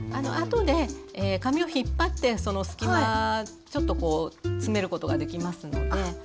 あとで紙を引っ張ってその隙間ちょっとこう詰めることができますので。